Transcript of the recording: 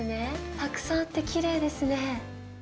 たくさんあってきれいですね。